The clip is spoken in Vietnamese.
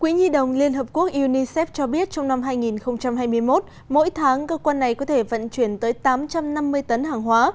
quỹ nhi đồng liên hợp quốc unicef cho biết trong năm hai nghìn hai mươi một mỗi tháng cơ quan này có thể vận chuyển tới tám trăm năm mươi tấn hàng hóa